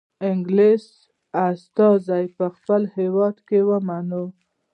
انګلیس استازی په خپل هیواد کې ومنئ.